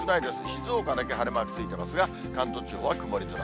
静岡だけ晴れマークついてますが、関東地方は曇り空。